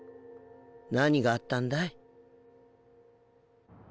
何があったんだい？